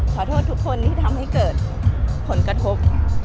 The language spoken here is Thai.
ขอโทษทุกคนที่ทำให้เกิดผลกระทบ